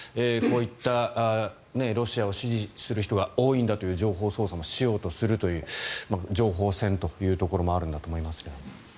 こういったロシアを支持する人が多いんだという情報操作をしようとするという情報戦というところもあるんだと思いますが。